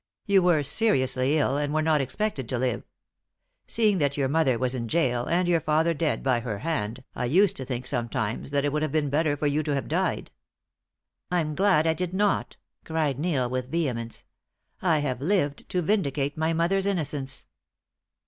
You were seriously ill, and were not expected to live. Seeing that your mother was in gaol and your father dead by her hand, I used to think sometimes that it would have been better for you to have died." "I'm glad I did not," cried Neil with vehemence. "I have lived to vindicate my mother's innocence."